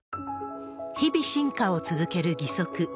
日々進化を続ける義足。